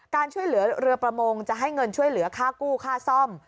การช่วยเหลือเรือประมงจะให้เงินช่วยเหลือค่ากู้ค่าซ่อม